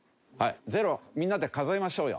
０をみんなで数えましょうよ。